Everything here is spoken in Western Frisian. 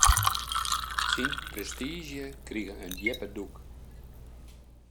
Syn prestiizje krige in djippe dûk.